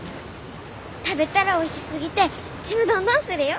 食べたらおいしすぎてちむどんどんするよ！